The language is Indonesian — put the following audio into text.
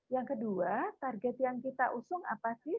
yang kedua target yang kita usung apa sih